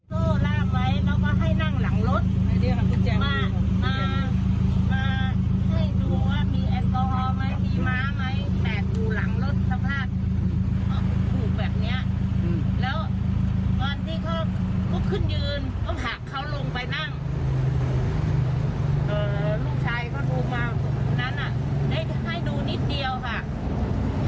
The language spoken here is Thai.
ลูกชายก็ดูมาตรงนั้นน่ะได้ให้ดูนิดเดียวค่ะ